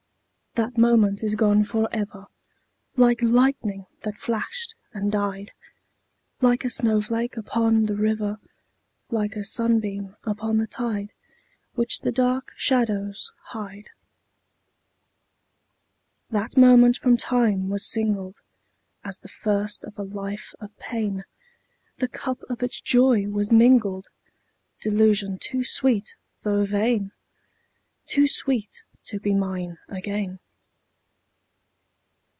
_5 2. That moment is gone for ever, Like lightning that flashed and died Like a snowflake upon the river Like a sunbeam upon the tide, Which the dark shadows hide. _10 3. That moment from time was singled As the first of a life of pain; The cup of its joy was mingled Delusion too sweet though vain! Too sweet to be mine again.